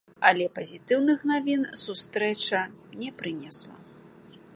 Але пазітыўных навін сустрэча не прынесла.